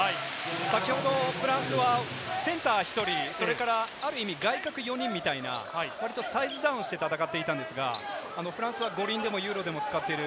先ほどフランスはセンター１人、それからある意味、外角４人みたいなサイズダウンして戦っていたんですが、フランスは五輪でもユーロでも使っている。